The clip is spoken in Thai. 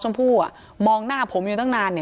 การแก้เคล็ดบางอย่างแค่นั้นเอง